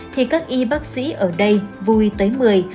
thì các y bác sĩ ở đây vui tới mười